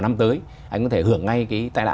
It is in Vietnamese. năm tới anh có thể hưởng ngay cái tai nạn